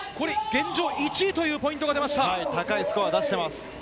現状１位というポイントが出まし高いスコアを出してます。